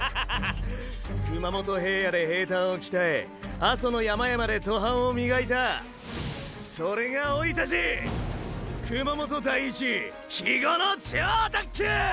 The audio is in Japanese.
熊本平野で平坦をきたえ阿蘇の山々で登坂を磨いたそれがオイたち熊本台一肥後の超特急！！